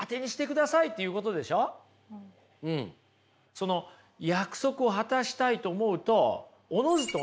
その約束を果たしたいと思うとおのずとね